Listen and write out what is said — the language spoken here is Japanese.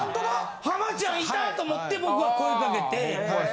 浜ちゃんいた！と思って僕は声かけて。